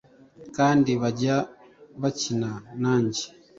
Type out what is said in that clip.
Kandi bajya bakina nanjye